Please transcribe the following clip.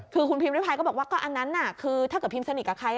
คือคุณพิมริพายก็บอกว่าก็อันนั้นคือถ้าเกิดพิมสนิทกับใคร